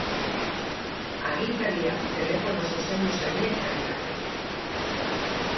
Agintaria telefonoz zuzendu zaie herritarrei.